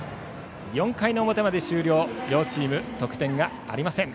４回表まで終了して両チーム得点がありません。